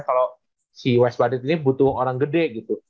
kalau si wesvarid ini butuh orang gede gitu